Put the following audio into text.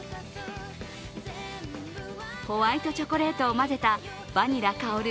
ホワイトチョコレートを混ぜたバニラ香る